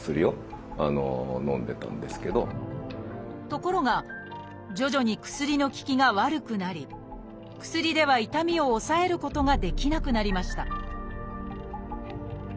ところが徐々に薬の効きが悪くなり薬では痛みを抑えることができなくなりました